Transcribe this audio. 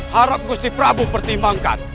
harap kusi prabu pertimbangkan